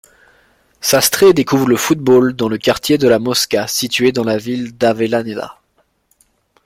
Sastre découvre le football dans le quartier La Mosca situé dans la ville d’Avellaneda.